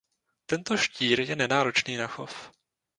Tento štír je nenáročný na chov.